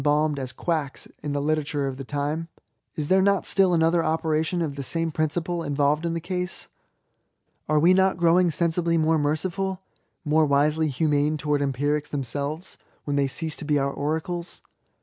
balmed as quacks in the literature of ihe time ? Is there not still another operation of the same principle inyblyed in the case ? Are we not growing sensibly more merciful^' more wisely humane towards empirics themselves^ when they cease to be our oracles